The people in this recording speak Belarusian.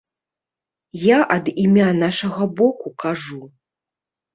Я ад імя нашага боку кажу.